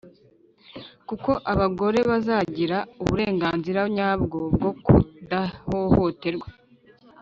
kuko abagore bazagira uburenganzira nyabwo bwo kudahohoterwa.